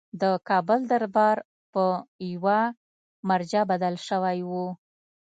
د کابل دربار په یوه مرجع بدل شوی وو.